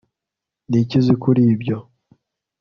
niki uzi kuri ibyo